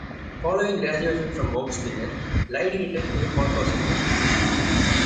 Following graduation from Oaksmere, Lydie returned to Ponca City.